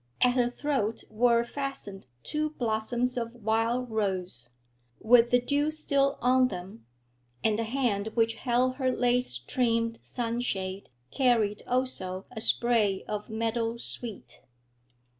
At her throat were fastened two blossoms of wild rose, with the dew still on them, and the hand which held her lace trimmed sunshade carried also a spray of meadow sweet.